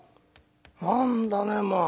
何だねまあ。